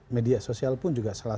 media sosial pun juga sangat berat